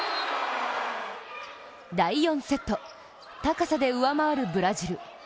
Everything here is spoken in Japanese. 第４セット、高さで上回るブラジル。